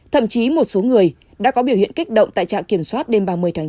thậm chí một số người đã có biểu hiện kích động tại trạm kiểm soát đêm ba mươi tháng chín